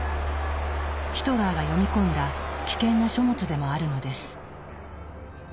ヒトラーが読み込んだ危険な書物でもあるのです。